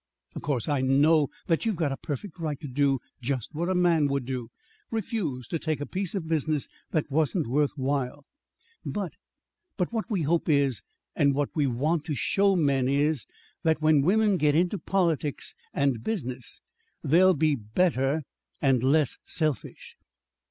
Of course I know that you've got a perfect right to do just what a man would do refuse to take a piece of business that wasn't worth while. But but what we hope is, and what we want to show men is, that when women get into politics and business they'll be better and less selfish."